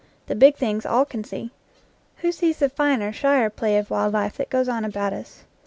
'The big things all can see. Who sees the finer, shyer play of wild life that goes on about us?